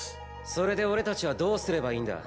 それで俺たちはどうすればいいんだ？